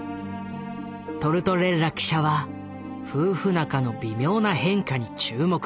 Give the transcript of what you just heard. トルトレッラ記者は夫婦仲の微妙な変化に注目した。